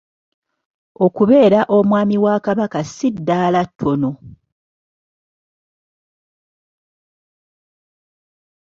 Okubeera Omwami wa Kabaka ssi ddaala ttono.